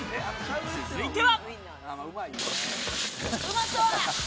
続いては。